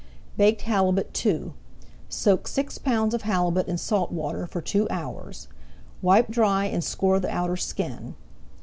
BAKED HALIBUT II Soak six pounds of halibut in salt water for two hours. Wipe dry and score the outer skin.